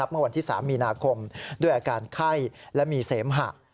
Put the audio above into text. เมื่อวันที่๓มีนาคมด้วยอาการไข้และมีเสมหะ